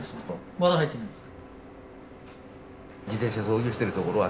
まだ入ってないです。